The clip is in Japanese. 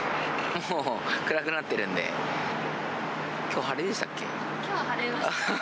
もう暗くなってるんで、きょう、きょうは晴れました。